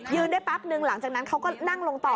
ได้แป๊บนึงหลังจากนั้นเขาก็นั่งลงต่อ